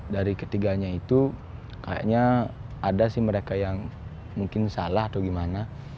dari ketiganya itu kayaknya ada sih mereka yang mungkin salah atau gimana